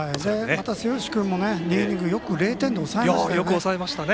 末吉君も２イニングよく０点に抑えましたよね。